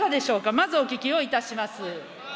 まずお聞きをいたします。